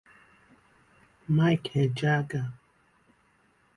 Mike Ejeagha